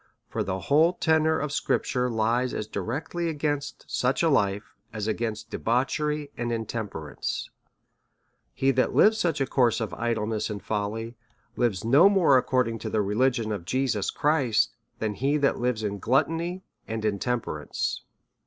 For the whole tenor of scripture lies as directly against such a life as against debauchery and intemperance. He that lives in such a course of idleness and folly, b3 4 A SERIOUS CALL TO A lives no move according to the religion of Jesus Christ than he that lives in gluttony and intemperance.